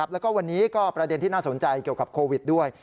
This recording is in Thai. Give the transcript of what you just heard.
แล้วก็วันนี้ก็ประเด็นที่น่าสนใจเกี่ยวกับโควิดด้วย